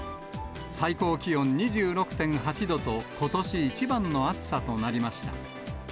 最高気温２６．８度と、ことし一番の暑さとなりました。